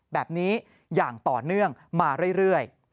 แบบนี้อย่างต่อเนื่องมาเรื่อย